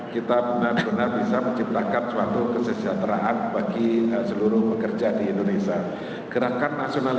kami ingin mengerjakan